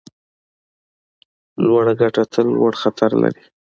لوړه ګټه تل لوړ خطر لري.